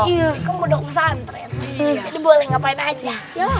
jadi boleh ngapain aja